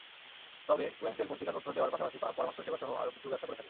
তবে কুয়েনসেল পত্রিকা তথ্য দেওয়ার পাশাপাশি পরামর্শসেবাসহ আরও কিছু ব্যবসা করে থাকে।